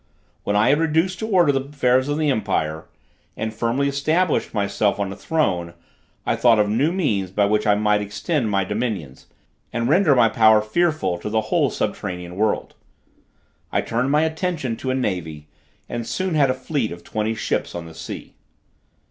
when I had reduced to order the affairs of the empire, and firmly established myself on the throne, I thought of new means, by which I might extend my dominions, and render my power fearful to the whole subterranean world. I turned my attention to a navy, and soon had a fleet of twenty ships on the sea.